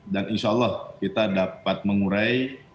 dan insya allah kita dapat mengurai